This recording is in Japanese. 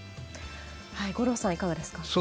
五郎さん、いかがですか？